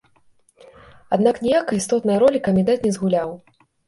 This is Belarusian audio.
Аднак ніякай істотнай ролі камітэт не згуляў.